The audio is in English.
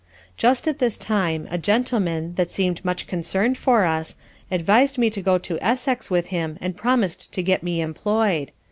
Just at this time a gentleman, that seemed much concerned for us, advised me to go into Essex with him and promised to get me employed.